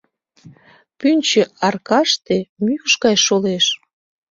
Пӱнчӧ аркаште мӱкш гай шолеш;